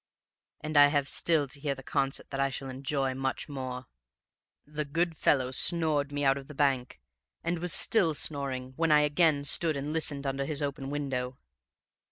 And I have still to hear the concert that I shall enjoy much more. The good fellow snored me out of the bank, and was still snoring when I again stood and listened under his open window.